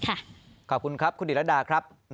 ขอบคุณครับคุณดิรดาครับ